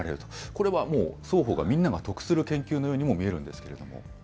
これはもう、双方が、みんなが得する研究のようにも見えるんですけれども。